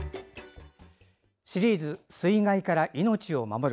シリーズ水害から命を守る。